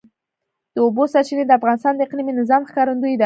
د اوبو سرچینې د افغانستان د اقلیمي نظام ښکارندوی ده.